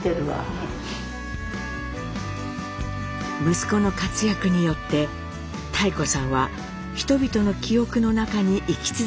息子の活躍によって妙子さんは人々の記憶の中に生き続けているのです。